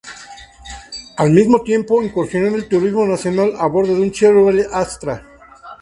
Al mismo tiempo, incursionó en el Turismo Nacional, a bordo de un Chevrolet Astra.